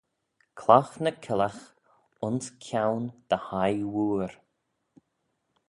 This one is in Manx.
Clagh ny killagh ayns kione dty hie wooar